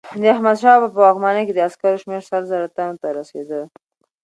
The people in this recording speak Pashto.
د احمدشاه بابا په واکمنۍ کې د عسکرو شمیر سل زره تنو ته رسېده.